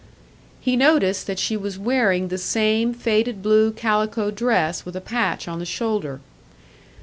He noticed that she was wearing the same faded blue calico dress with a patch on the shoulder.